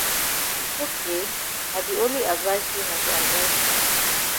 Ok I di only advice you na for advice you.